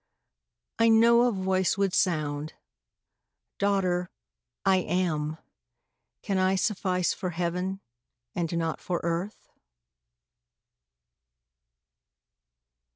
I know a Voice would sound, " Daughter, I AM. Can I suffice for Heaven, and not for earth